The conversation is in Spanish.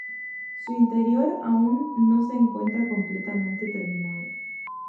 Su interior aún no se encuentra completamente terminado.